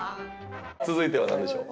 続いてはなんでしょう？